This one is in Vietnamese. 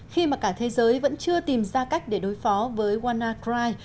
khi mà cả thế giới vẫn chưa tìm ra cách để đối phó với wannacry